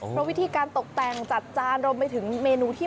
เพราะวิธีการตกแต่งจัดจานรวมไปถึงเมนูที่